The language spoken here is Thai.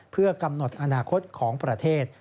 เพื่อกำหนดอนาคตของประเทศ